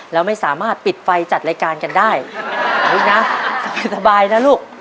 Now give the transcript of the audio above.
แล้วไม่สามารถปิดไฟจัดรายการกันได้ลูกนะสบายนะลูก